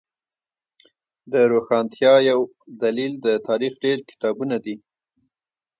د روښانتیا یو دلیل د تاریخ ډیر کتابونه دی